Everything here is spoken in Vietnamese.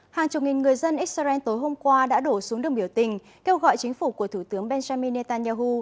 hàng chục nghìn người dân israel tối hôm qua đã đổ xuống đường biểu tình kêu gọi chính phủ của thủ tướng benjamin netanyahu